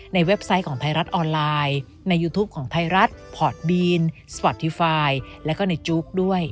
เว็บไซต์ของไทยรัฐออนไลน์ในยูทูปของไทยรัฐพอร์ตบีนสปอร์ตทีไฟล์แล้วก็ในจุ๊กด้วย